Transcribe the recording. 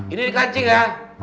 ini dikancing ya